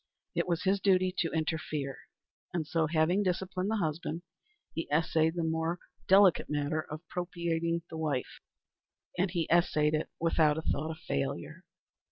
It was his duty to interfere; and so, having disciplined the husband, he essayed the more delicate matter of propitiating the wife. And he essayed it without a thought of failure.